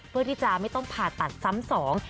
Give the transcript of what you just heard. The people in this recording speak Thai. เพื่อที่จะไม่ต้องผ่าตัดซ้ำสอง